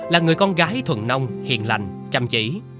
là người con gái thuần nông hiền lành chăm chỉ